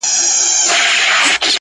تاوېږه پر حرم ته زه جارېږم له جانانه,